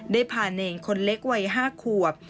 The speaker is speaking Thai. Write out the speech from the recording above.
ได้พาเนรคนเล็กวัย๕ขวบ